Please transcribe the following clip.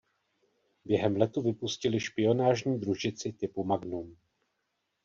Během letu vypustili špionážní družici typu Magnum.